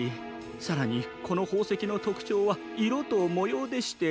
さらにこのほうせきのとくちょうはいろともようでして。